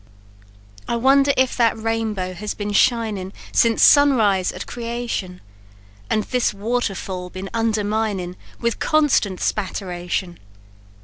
"I wonder if that rainbow has been shinin' Since sun rise at creation; And this waterfall been underminin' With constant spatteration.